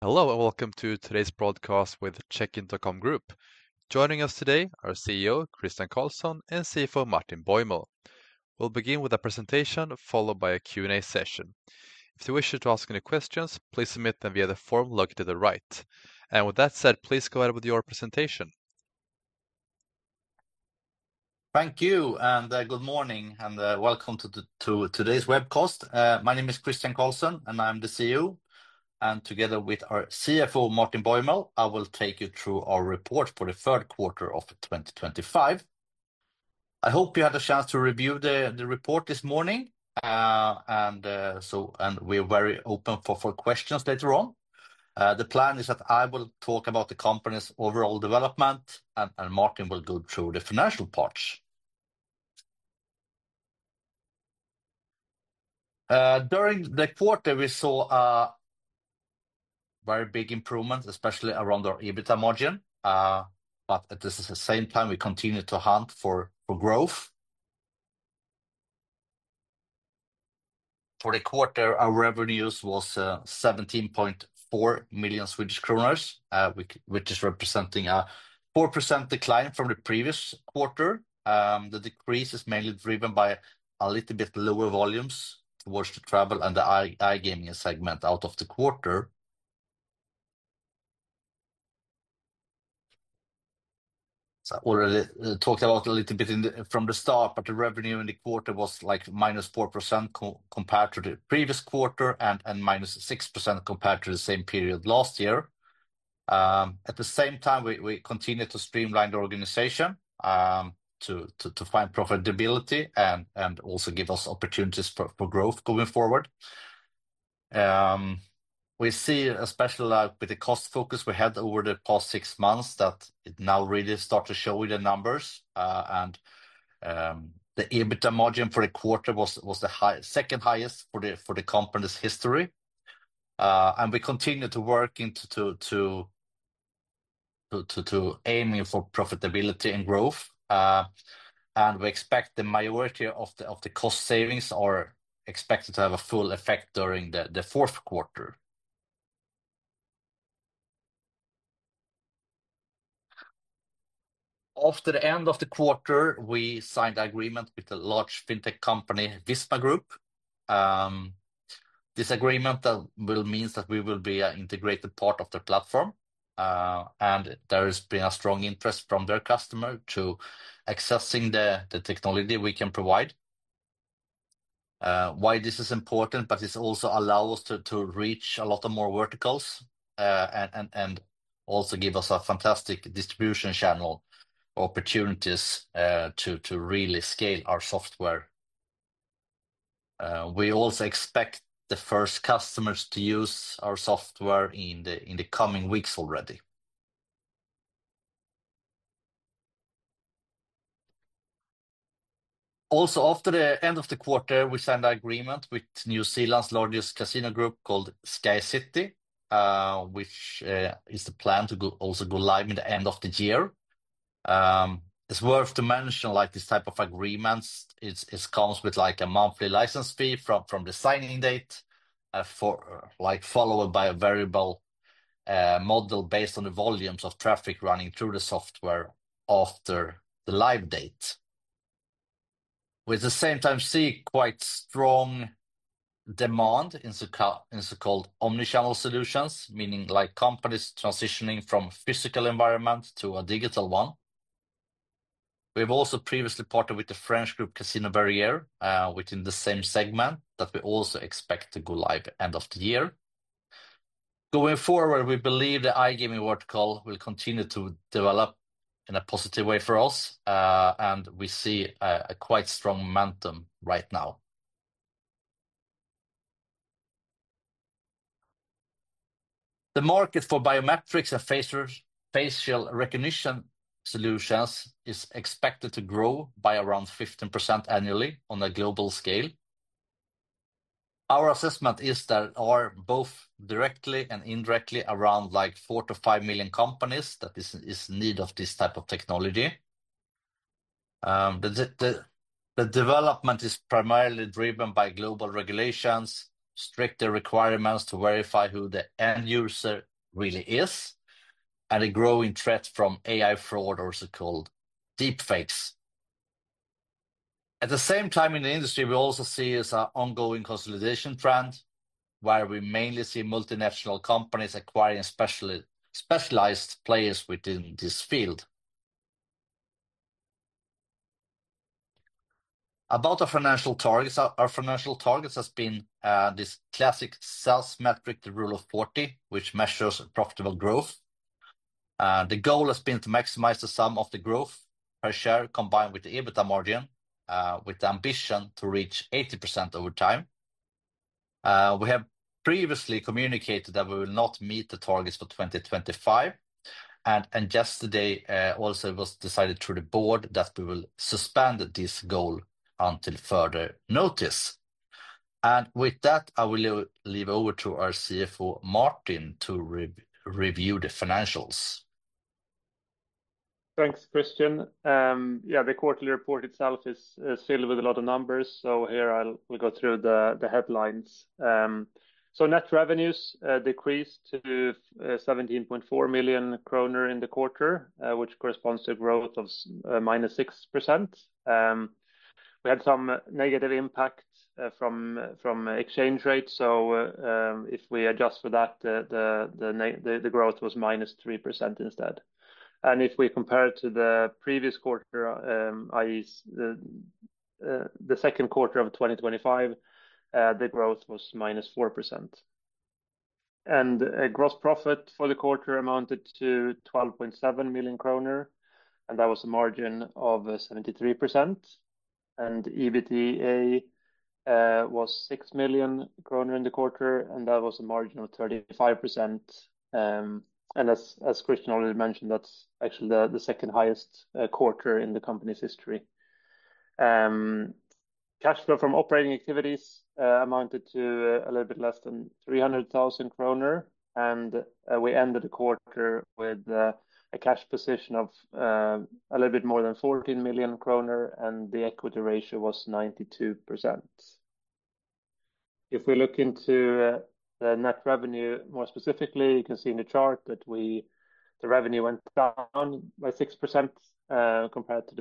Hello, and welcome to today's broadcast with Checkin.com Group. Joining us today are CEO, Christian Karlsson and CFO, Martin Bäuml. We'll begin with a presentation followed by a Q&A session. If you wish to ask any questions, please submit them via the form located to the right, and with that said, please go ahead with your presentation. Thank you, and good morning, and welcome to today's webcast. My name is Christian Karlsson, and I'm the CEO. And together with our CFO, Martin Bäuml, I will take you through our report for the third quarter of 2025. I hope you had a chance to review the report this morning, and we're very open for questions later on. The plan is that I will talk about the company's overall development, and Martin will go through the financial parts. During the quarter, we saw very big improvements, especially around our EBITDA margin. But at the same time, we continued to hunt for growth. For the quarter, our revenues were 17.4 million Swedish kronor, which is representing a 4% decline from the previous quarter. The decrease is mainly driven by a little bit lower volumes towards the travel and the iGaming segment out of the quarter. I already talked about it a little bit from the start, but the revenue in the quarter was like minus 4% compared to the previous quarter and minus 6% compared to the same period last year. At the same time, we continued to streamline the organization to find profitability and also give us opportunities for growth going forward. We see, especially with the cost focus we had over the past six months, that it now really starts to show you the numbers. And the EBITDA margin for the quarter was the second highest for the company's history. And we continue to work into aiming for profitability and growth. And we expect the majority of the cost savings are expected to have a full effect during the fourth quarter. After the end of the quarter, we signed an agreement with a large fintech company, Visma Group. This agreement will mean that we will be an integrated part of their platform. And there has been a strong interest from their customers in accessing the technology we can provide. Why this is important? But it also allows us to reach a lot more verticals and also gives us a fantastic distribution channel opportunities to really scale our software. We also expect the first customers to use our software in the coming weeks already. Also, after the end of the quarter, we signed an agreement with New Zealand's largest casino group called SkyCity, which is planned to also go live at the end of the year. It's worth to mention, like this type of agreements, it comes with a monthly license fee from the signing date, followed by a variable model based on the volumes of traffic running through the software after the live date. We at the same time see quite strong demand in so-called omnichannel solutions, meaning companies transitioning from a physical environment to a digital one. We've also previously partnered with the French group Groupe Barrière within the same segment that we also expect to go live at the end of the year. Going forward, we believe the iGaming vertical will continue to develop in a positive way for us, and we see a quite strong momentum right now. The market for biometrics and facial recognition solutions is expected to grow by around 15% annually on a global scale. Our assessment is that there are both directly and indirectly around like four to five million companies that are in need of this type of technology. The development is primarily driven by global regulations, stricter requirements to verify who the end user really is, and a growing threat from AI fraud or so-called deepfakes. At the same time, in the industry, we also see an ongoing consolidation trend where we mainly see multinational companies acquiring specialized players within this field. About our financial targets, our financial targets have been this classic sales metric, the Rule of 40, which measures profitable growth. The goal has been to maximize the sum of the growth per share combined with the EBITDA margin, with the ambition to reach 80% over time. We have previously communicated that we will not meet the targets for 2025, and yesterday, also, it was decided by the board that we will suspend this goal until further notice. And with that, I will hand it over to our CFO, Martin, to review the financials. Thanks, Christian. Yeah, the quarterly report itself is filled with a lot of numbers, so here I'll go through the headlines, so net revenues decreased to 17.4 million kronor in the quarter, which corresponds to a growth of minus 6%. We had some negative impact from exchange rates, so if we adjust for that, the growth was minus 3% instead, and if we compare it to the previous quarter, i.e., the second quarter of 2025, the growth was minus 4%, and gross profit for the quarter amounted to 12.7 million kronor, and that was a margin of 73%, and EBITDA was 6 million kronor in the quarter, and that was a margin of 35%, and as Christian already mentioned, that's actually the second highest quarter in the company's history. Cash flow from operating activities amounted to a little bit less than 300,000 kronor, and we ended the quarter with a cash position of a little bit more than 14 million kronor, and the equity ratio was 92%. If we look into the net revenue more specifically, you can see in the chart that the revenue went down by 6% compared to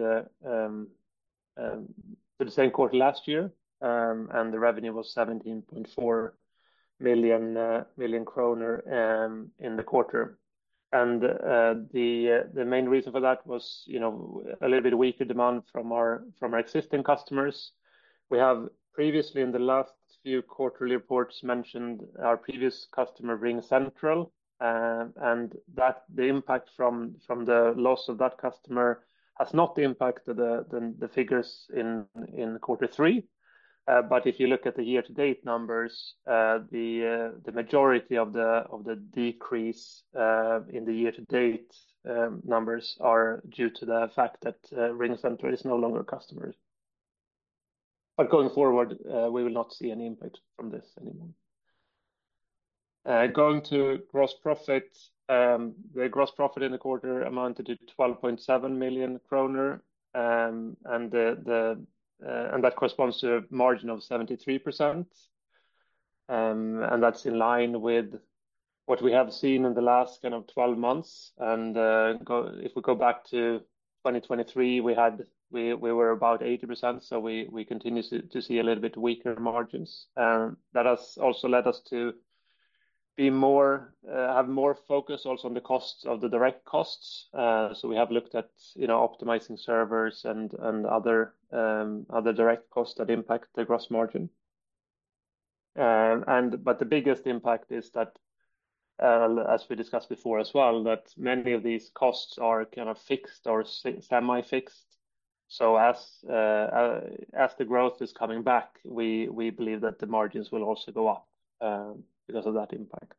the same quarter last year, and the revenue was 17.4 million in the quarter, and the main reason for that was a little bit weaker demand from our existing customers. We have previously, in the last few quarterly reports, mentioned our previous customer, RingCentral, and the impact from the loss of that customer has not impacted the figures in quarter three. But if you look at the year-to-date numbers, the majority of the decrease in the year-to-date numbers are due to the fact that RingCentral is no longer a customer. But going forward, we will not see any impact from this anymore. Going to gross profit, the gross profit in the quarter amounted to 12.7 million kronor, and that corresponds to a margin of 73%. And that's in line with what we have seen in the last kind of 12 months. And if we go back to 2023, we were about 80%, so we continue to see a little bit weaker margins. And that has also led us to have more focus also on the direct costs. So we have looked at optimizing servers and other direct costs that impact the gross margin. But the biggest impact is that, as we discussed before as well, that many of these costs are kind of fixed or semi-fixed. So as the growth is coming back, we believe that the margins will also go up because of that impact.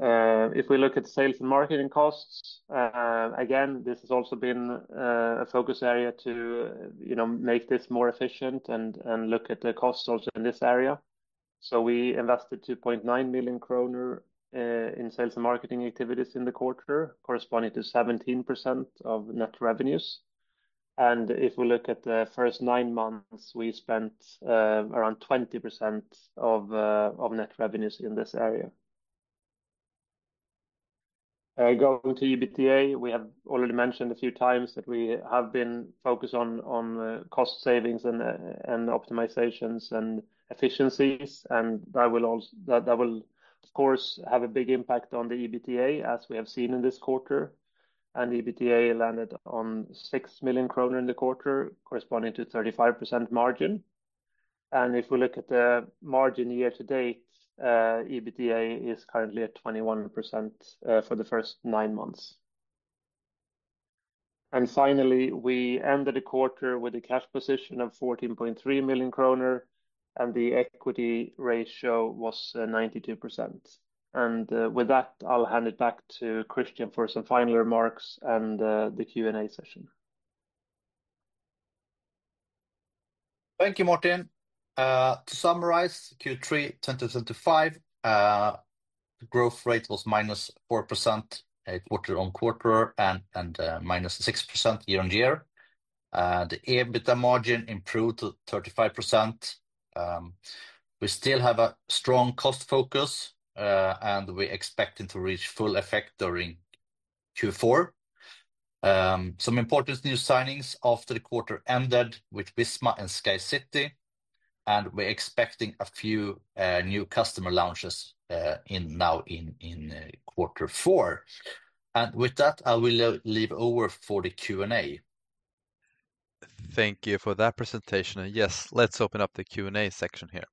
If we look at sales and marketing costs, again, this has also been a focus area to make this more efficient and look at the costs also in this area. So we invested 2.9 million kronor in sales and marketing activities in the quarter, corresponding to 17% of net revenues. And if we look at the first nine months, we spent around 20% of net revenues in this area. Going to EBITDA, we have already mentioned a few times that we have been focused on cost savings and optimizations and efficiencies. And that will, of course, have a big impact on the EBITDA, as we have seen in this quarter. And EBITDA landed on 6 million kronor in the quarter, corresponding to a 35% margin. And if we look at the margin year-to-date, EBITDA is currently at 21% for the first nine months. And finally, we ended the quarter with a cash position of 14.3 million kronor, and the equity ratio was 92%. And with that, I'll hand it back to Christian for some final remarks and the Q&A session. Thank you, Martin. To summarize, Q3 2025, the growth rate was minus 4% quarter-on-quarter and minus 6% year-on-year. The EBITDA margin improved to 35%. We still have a strong cost focus, and we are expecting to reach full effect during Q4. Some important new signings after the quarter ended with Visma and SkyCity, and we are expecting a few new customer launches now in quarter four. And with that, I will hand it over for the Q&A. Thank you for that presentation, and yes, let's open up the Q&A section here.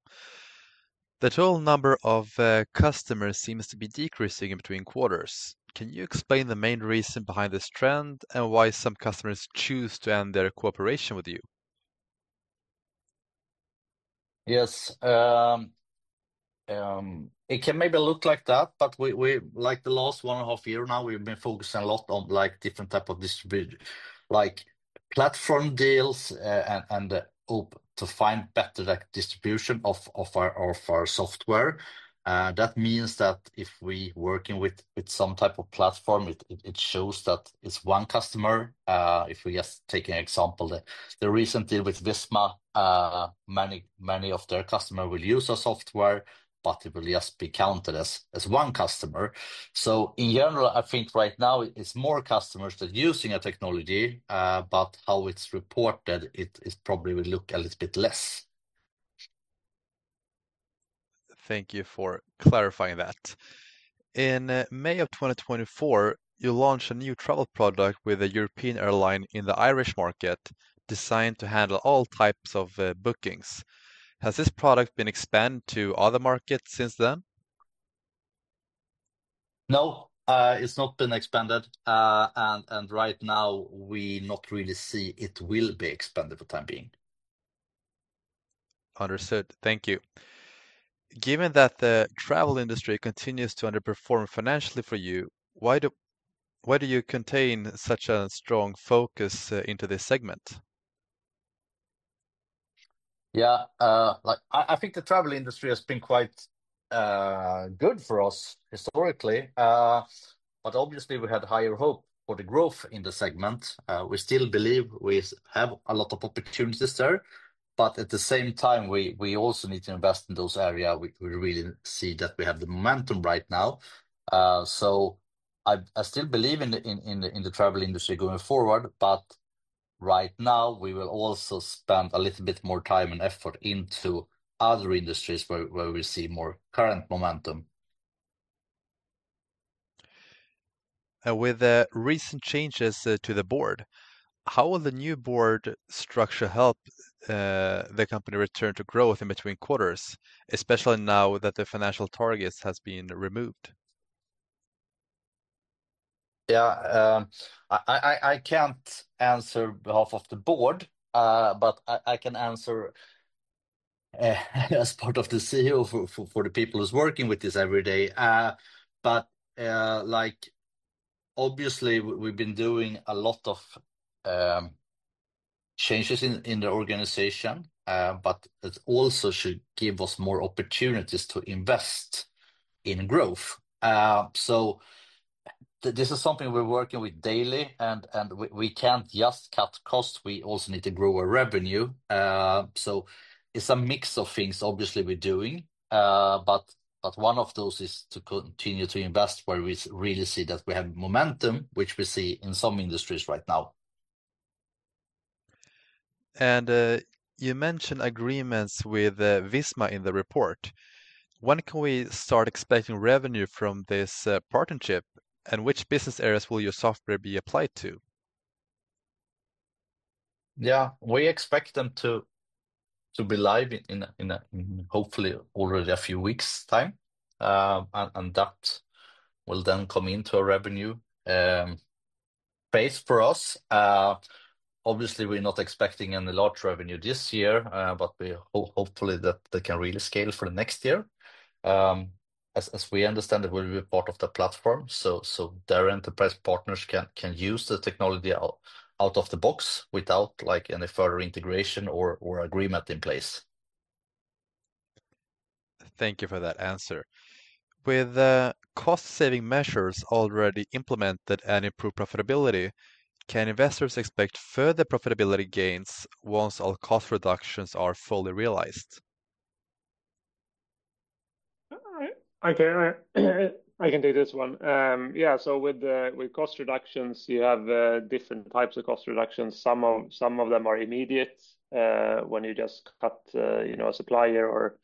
The total number of customers seems to be decreasing between quarters. Can you explain the main reason behind this trend and why some customers choose to end their cooperation with you? Yes. It can maybe look like that, but like the last one and a half years now, we've been focusing a lot on different types of distribution, like platform deals and the hope to find better distribution of our software. That means that if we are working with some type of platform, it shows that it's one customer. If we just take an example, the recent deal with Visma, many of their customers will use our software, but it will just be counted as one customer. So in general, I think right now it's more customers that are using a technology, but how it's reported, it probably will look a little bit less. Thank you for clarifying that. In May of 2024, you launched a new travel product with a European airline in the Irish market designed to handle all types of bookings. Has this product been expanded to other markets since then? No, it's not been expanded, and right now, we don't really see it will be expanded for the time being. Understood. Thank you. Given that the travel industry continues to underperform financially for you, why do you maintain such a strong focus into this segment? Yeah, I think the travel industry has been quite good for us historically. But obviously, we had higher hope for the growth in the segment. We still believe we have a lot of opportunities there. But at the same time, we also need to invest in those areas. We really see that we have the momentum right now. So I still believe in the travel industry going forward, but right now, we will also spend a little bit more time and effort into other industries where we see more current momentum. With the recent changes to the board, how will the new board structure help the company return to growth in between quarters, especially now that the financial targets have been removed? Yeah, I can't answer on behalf of the board, but I can answer as the CEO for the people who are working with this every day. But obviously, we've been doing a lot of changes in the organization, but it also should give us more opportunities to invest in growth. So this is something we're working with daily, and we can't just cut costs. We also need to grow our revenue. So it's a mix of things, obviously, we're doing. But one of those is to continue to invest where we really see that we have momentum, which we see in some industries right now. You mentioned agreements with Visma in the report. When can we start expecting revenue from this partnership, and which business areas will your software be applied to? Yeah, we expect them to be live in hopefully already a few weeks time, and that will then come into our revenue base for us. Obviously, we're not expecting any large revenue this year, but hopefully that they can really scale for the next year. As we understand it, we'll be part of the platform, so their enterprise partners can use the technology out of the box without any further integration or agreement in place. Thank you for that answer. With cost-saving measures already implemented and improved profitability, can investors expect further profitability gains once all cost reductions are fully realized? I can take this one. Yeah, so with cost reductions, you have different types of cost reductions. Some of them are immediate when you just cut a supplier or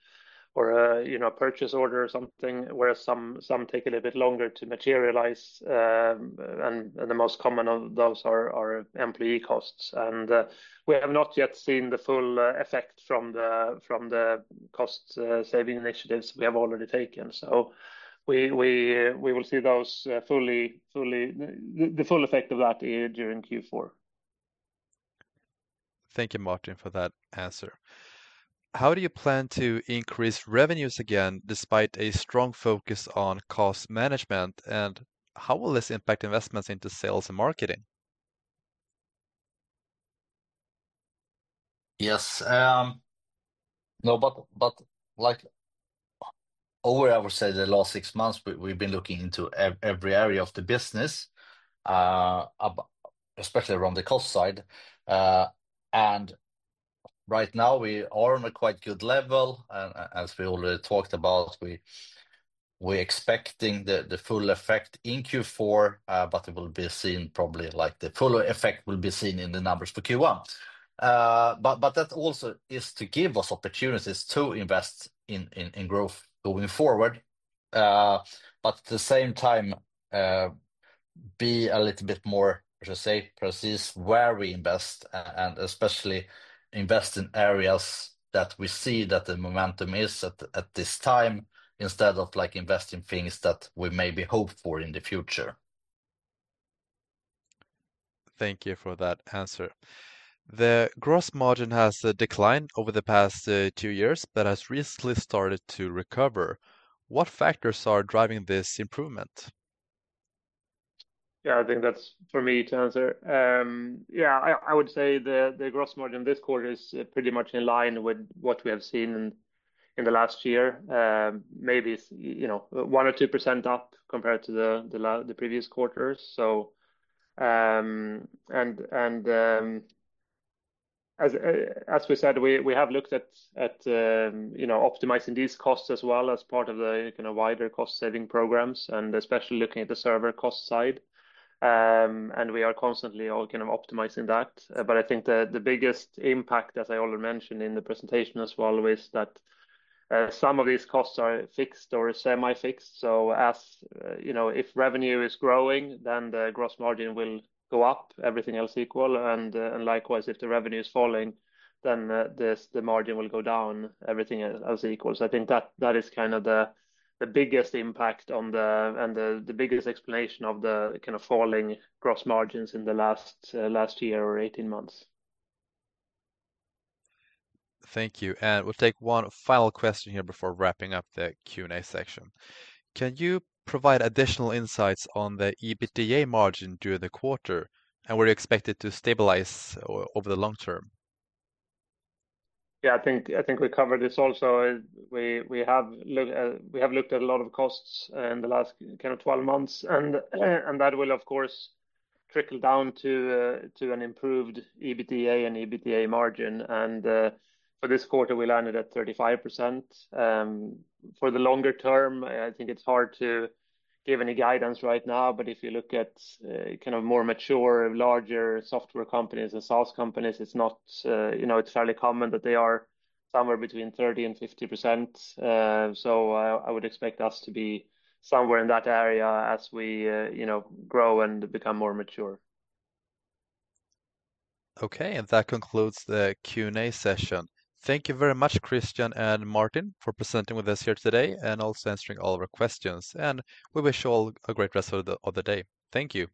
a purchase order or something, whereas some take a little bit longer to materialize. And the most common of those are employee costs. And we have not yet seen the full effect from the cost-saving initiatives we have already taken. So we will see the full effect of that during Q4. Thank you, Martin, for that answer. How do you plan to increase revenues again despite a strong focus on cost management, and how will this impact investments into sales and marketing? Yes. No, but over, I would say, the last six months, we've been looking into every area of the business, especially around the cost side. And right now, we are on a quite good level. And as we already talked about, we are expecting the full effect in Q4, but it will be seen probably like the full effect will be seen in the numbers for Q1. But that also is to give us opportunities to invest in growth going forward. But at the same time, be a little bit more, as I say, persist where we invest, and especially invest in areas that we see that the momentum is at this time, instead of investing in things that we maybe hope for in the future. Thank you for that answer. The gross margin has declined over the past two years, but has recently started to recover. What factors are driving this improvement? Yeah, I think that's for me to answer. Yeah, I would say the gross margin this quarter is pretty much in line with what we have seen in the last year, maybe 1%-2% up compared to the previous quarters. And as we said, we have looked at optimizing these costs as well as part of the wider cost-saving programs, and especially looking at the server cost side, and we are constantly optimizing that, but I think the biggest impact, as I already mentioned in the presentation as well, was that some of these costs are fixed or semi-fixed, so if revenue is growing, then the gross margin will go up, everything else equal, and likewise, if the revenue is falling, then the margin will go down, everything else equal. So I think that is kind of the biggest impact and the biggest explanation of the kind of falling gross margins in the last year or 18 months. Thank you. And we'll take one final question here before wrapping up the Q&A session. Can you provide additional insights on the EBITDA margin during the quarter, and were you expected to stabilize over the long term? Yeah, I think we covered this also. We have looked at a lot of costs in the last kind of 12 months, and that will, of course, trickle down to an improved EBITDA and EBITDA margin, and for this quarter, we landed at 35%. For the longer term, I think it's hard to give any guidance right now, but if you look at kind of more mature, larger software companies and SaaS companies, it's fairly common that they are somewhere between 30%-50%, so I would expect us to be somewhere in that area as we grow and become more mature. Okay, and that concludes the Q&A session. Thank you very much, Christian and Martin, for presenting with us here today and also answering all of our questions. And we wish you all a great rest of the day. Thank you.